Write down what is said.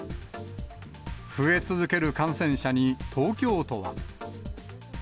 増え続ける感染者に、東京都は。